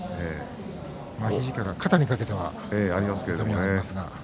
肘から肩にかけてはちょっとありますが。